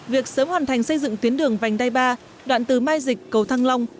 việc sớm hoàn thành xây dựng tuyến đường vành đai ba đoạn từ mai dịch cầu thăng long